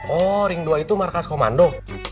oh ring dua itu markas komando